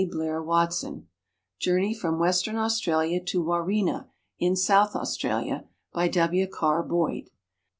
Blair Watson ;" Journey from Western Australia to Warina, in South Australia," by W. Carr Boyd.